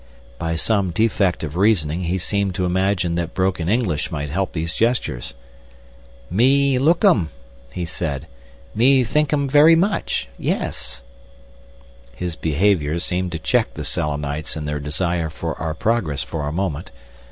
By some defect of reasoning he seemed to imagine that broken English might help these gestures. "Me look 'im," he said, "me think 'im very much. Yes." His behaviour seemed to check the Selenites in their desire for our progress for a moment.